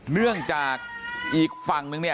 เนื่องจากอีกฝั่งนึง